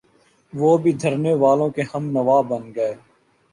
وہ بھی دھرنے والوں کے ہمنوا بن گئے۔